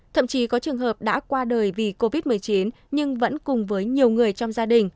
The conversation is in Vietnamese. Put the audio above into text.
thậm chí có trường hợp đã qua đời vì covid một mươi chín nhưng vẫn cùng với nhiều người trong gia đình